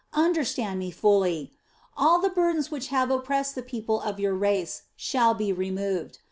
Understand me fully! All the burdens which have oppressed the people of your race shall be removed.